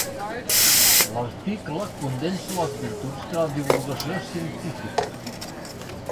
L'article condensa les virtuts de la divulgació científica.